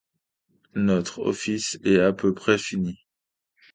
Notre office est à peu près fini.